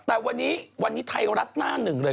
แต่วันนี้วันนี้ไทยรัฐหน้าหนึ่งเลย